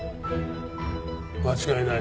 間違いない。